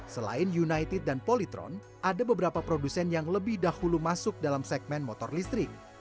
selain united dan polytron ada beberapa produsen yang lebih dahulu masuk dalam segmen motor listrik